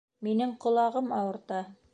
Минең ҡолағым ауырта